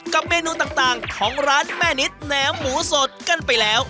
เมนูต่างของร้านแม่นิดแหนมหมูสดกันไปแล้ว